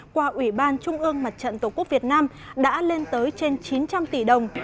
qua ủy ban trung ương mặt trận tổ quốc việt nam đã lên tới trên chín trăm linh tỷ đồng